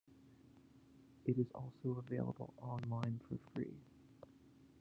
It is also available online for free.